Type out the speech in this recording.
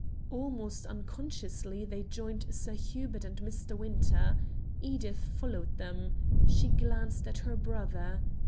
Almost unconsciously they joined Sir Hubert and Mr. Winter. Edith followed them. She glanced at her brother.